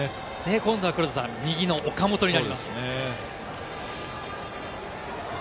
今度は右の岡本になります。